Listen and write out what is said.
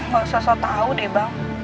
gak usah tau deh bang